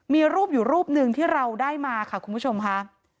มีรูปอยู่รูปหนึ่งที่เราได้มาค่ะคุณผู้ชมค่ะ